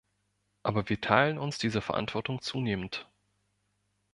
Aber wir teilen uns diese Verantwortung zunehmend.